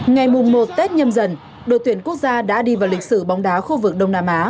ngày một tết nhâm dần đội tuyển quốc gia đã đi vào lịch sử bóng đá khu vực đông nam á